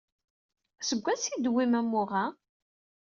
Seg wansi ay d-tewwim umuɣ-a?